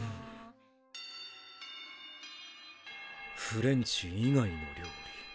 フレンチ以外の料理。